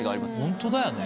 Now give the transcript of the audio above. ホントだよね。